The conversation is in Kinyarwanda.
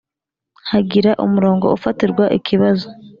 hagire umurongo ufatirwa ikibazo